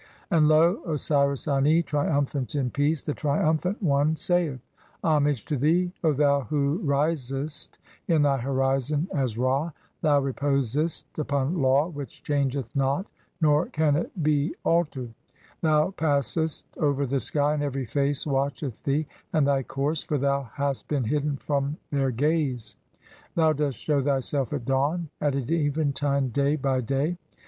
And lo, Osiris Ani triumphant in peace, the triumphant one, saith : (16) "Homage to thee, O thou who risest in thy horizon "as Ra, thou reposest upon law [which changeth not nor can it be 38 THE CHAPTERS OF COMING FORTH BY DAY. "altered]. Thou passest over the sky, and every face watcheth "thee (17) and thy course, for thou hast been hidden from their "gaze. Thou dost shew thyself at dawn and at eventide day "bv dav.